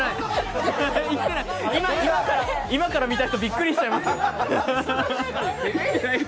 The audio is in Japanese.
今から見た人、びっくりしちゃいますよ。